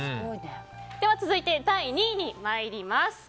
では、続いて第２位に参ります。